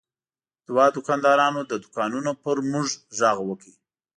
دوه دوکاندارانو له دوکانونو پر موږ غږ وکړ.